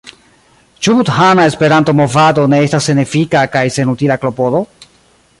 Ĉu budhana Esperanto-movado ne estas senefika kaj senutila klopodo?